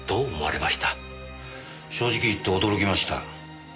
正直言って驚きました。